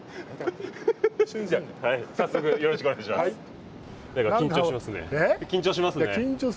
早速よろしくお願いします。